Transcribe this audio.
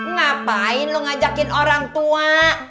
ngapain lo ngajakin orang tua